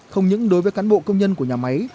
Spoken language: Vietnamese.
không những đối với cán bộ công nhân của nhà máy